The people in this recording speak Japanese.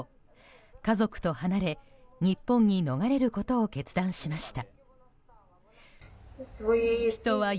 家族と離れ、日本に逃れることを決断しました。